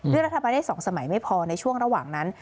รัฐบาลได้๒สมัยไม่พอในช่วงระหว่างนั้น